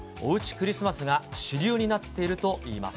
クリスマスが主流になっているといいます。